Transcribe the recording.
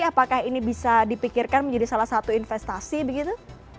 apakah ini bisa dipikirkan menjadi salah satu investasi begitu